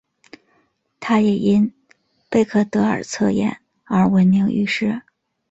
她也因贝克德尔测验而闻名于世。